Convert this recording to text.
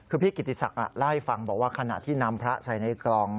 คือพี่กิติศักดิ์เล่าให้ฟังบอกว่าขณะที่นำพระใส่ในกล่อง